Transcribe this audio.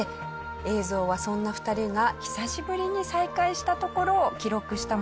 映像はそんな２人が久しぶりに再会したところを記録したものだったんですね。